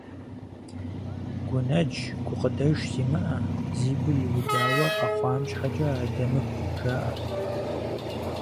Гунэдж, гукъыдэж зимыӏэ, зи гур иудауэ къэхъуам щхьэкӏэ адэмыгу жаӏэрт.